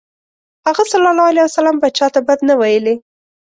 هغه ﷺ به چاته بد نه ویلی.